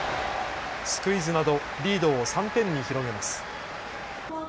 スクイズなどリードを３点に広げます。